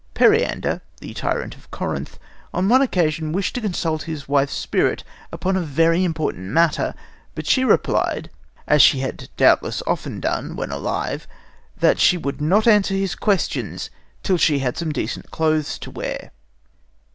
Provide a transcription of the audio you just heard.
Periander, the tyrant of Corinth, on one occasion wished to consult his wife's spirit upon a very important matter; but she replied, as she had doubtless often done when alive, that she would not answer his questions till she had some decent clothes to wear.